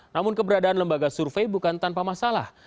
namun keberadaan lembaga survei bukan tanpa masalah